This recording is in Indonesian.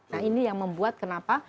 nah ini yang membuat kenapa